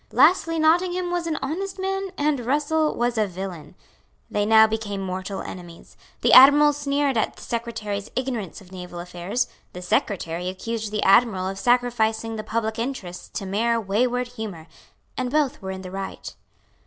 Lastly Nottingham was an honest man; and Russell was a villain. They now became mortal enemies. The Admiral sneered at the Secretary's ignorance of naval affairs; the Secretary accused the Admiral of sacrificing the public interests to mere wayward humour; and both were in the right.